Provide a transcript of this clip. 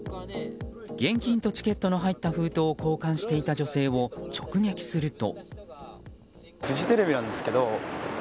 現金とチケットの入った封筒を交換していた女性を直撃すると。